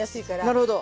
なるほど。